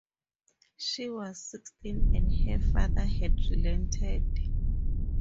She was sixteen and her father had relented.